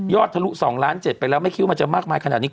ทะลุ๒ล้าน๗ไปแล้วไม่คิดว่ามันจะมากมายขนาดนี้